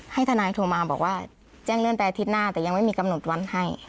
ทนายโทรมาบอกว่าแจ้งเลื่อนไปอาทิตย์หน้าแต่ยังไม่มีกำหนดวันให้